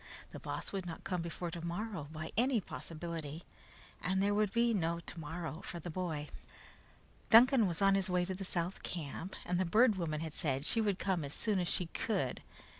The Boss could not come before tomorrow by any possibility, and there would be no tomorrow for the boy. Duncan was on his way to the South camp, and the Bird Woman had said she would come as soon as she could.